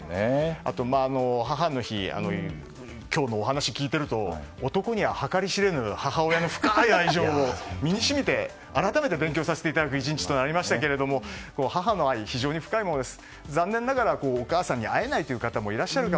あと母の日今日のお話を聞いていると男には計り知れぬ母親の深い愛情を身にしみて、改めて勉強させていただく１日となりましたが母の愛、非常に深いものです。